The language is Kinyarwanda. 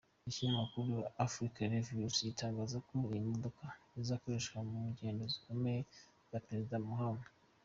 Ikinyamakuru Africa Review gitangaza ko iyi modoka ikoreshwa mu ngendo zikomeye za Perezida Mahama.